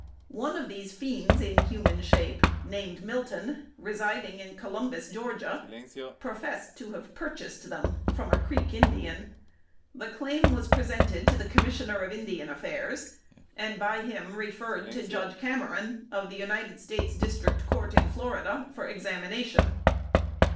One of these fiends in human shape, named Milton, residing in Columbus, Georgia, professed to have purchased them from a Creek Indian. The claim was presented to the Commissioner of Indian Affairs, and by him referred to Judge Cameron, of the United States District Court in Florida, for examination.